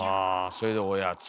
それで「おやつ」。